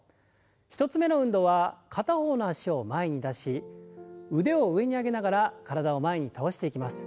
１つ目の運動は片方の脚を前に出し腕を上に上げながら体を前に倒していきます。